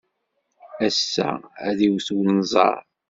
Ass-a, ad d-iwet unẓar.